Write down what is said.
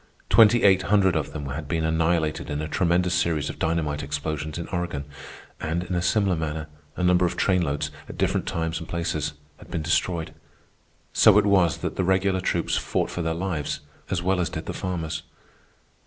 Twenty eight hundred of them had been annihilated in a tremendous series of dynamite explosions in Oregon, and in a similar manner, a number of train loads, at different times and places, had been destroyed. So it was that the regular troops fought for their lives as well as did the farmers.